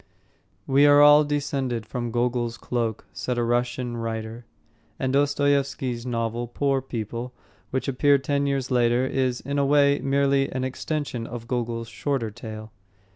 "We are all descended from Gogol's Cloak," said a Russian writer. And Dostoyevsky's novel, Poor People, which appeared ten years later, is, in a way, merely an extension of Gogol's shorter tale.